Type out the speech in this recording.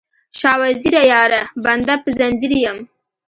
شاه وزیره یاره، بنده په ځنځیر یم